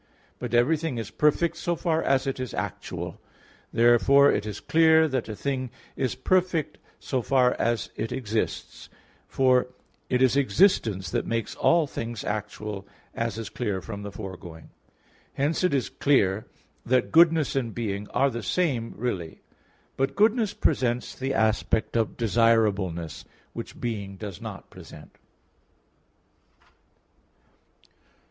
But everything is perfect so far as it is actual. Therefore it is clear that a thing is perfect so far as it exists; for it is existence that makes all things actual, as is clear from the foregoing (Q. 3, A. 4; Q. 4, A. 1). Hence it is clear that goodness and being are the same really. But goodness presents the aspect of desirableness, which being does not present.